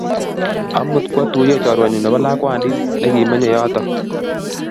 Amut kwatuye chorwennyu nepo lakwandit nekimenyei yotok